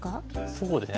そうですね